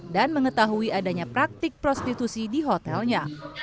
dan mengetahui adanya praktik prostitusi di hotelnya